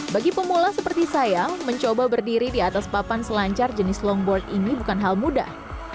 bagi pemula seperti saya mencoba berdiri di atas papan selancar jenis longboard ini bukan hal mudah